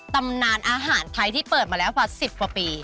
ตำนานอาหารไทยที่เปิดมาแล้วกว่า๑๐กว่าปี